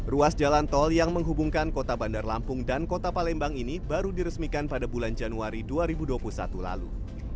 ruas jalan tol yang menghubungkan kota bandar lampung dan kota palembang ini baru diresmikan pada bulan januari dua ribu dua puluh satu lalu